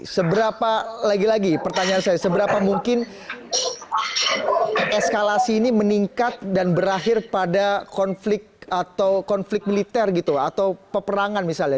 seberapa lagi lagi pertanyaan saya seberapa mungkin eskalasi ini meningkat dan berakhir pada konflik atau konflik militer gitu atau peperangan misalnya